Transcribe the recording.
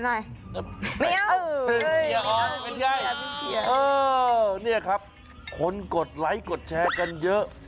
ไม่เอ้ากินเยอะค่ะเป็นยัยพี่เกียร์นี่ครับคนกดไลค์กดแชร์กันเยอะ